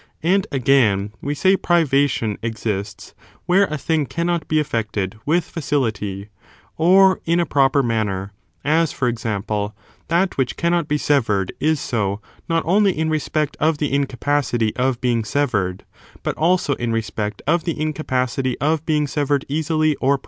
And, again, we say privation exists where a thing cannot be effected with fieusQity, or in a proper manner; as, for example, that which cannot be severed is so not only in respect of the incapacity of being severed, but also in respect of the incapacity of being severed easily or